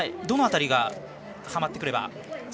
どの辺りがはまってくれば。